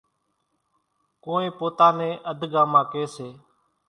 ڪونئين پوتا نين اڌڳاما ڪيَ سي۔